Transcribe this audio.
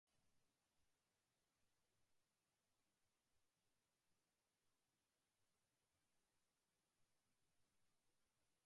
Problems regarding the idea of federation also arose between Bulgaria and Romania.